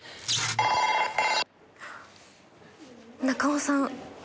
中尾さん。